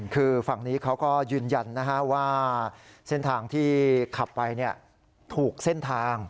คือฝั่งนี้เขาก็ยืนยันว่าเส้นทางที่ขับไปถูกเส้นทาง